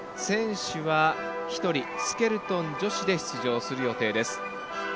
選手は１人、スケルトン女子で出場する予定です。